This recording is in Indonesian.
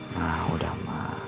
nah udah ma